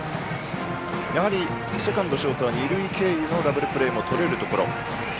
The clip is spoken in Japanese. やはり、セカンド、ショートは二塁経由のダブルプレーもとれるところ。